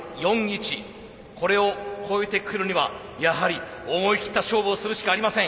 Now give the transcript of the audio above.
これを超えてくるにはやはり思い切った勝負をするしかありません。